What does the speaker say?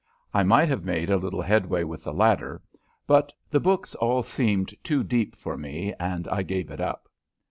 I might have made a little headway with the latter, but the books all seemed too deep for me and I gave it up.